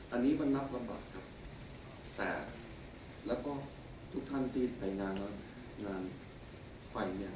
อันนี้ก็นับลำบากครับแต่แล้วก็ทุกท่านที่ไปงานงานไฟเนี่ย